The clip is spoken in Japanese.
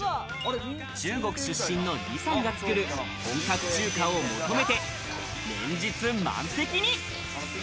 中国出身のリさんが作る本格中華を求めて連日満席に。